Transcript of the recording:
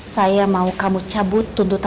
saya tidak bisa menanggil dosika